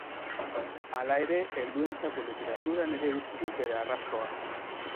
Hala ere, helduentzako literaturan ere utzi du bere arrastoa.